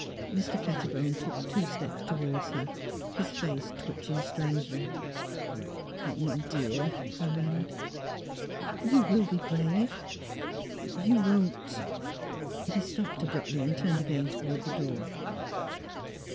Mr. Pettibone took two steps toward her, his face twitching strangely. " My dear! " he murmured, ^' you will be brave ? You won't " He stopped abruptly and turned again toward the door.